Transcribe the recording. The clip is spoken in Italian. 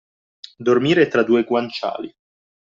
Dormire tra due guanciali.